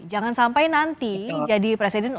jangan sampai nanti jadi presiden untuk pemilu pemilu lainnya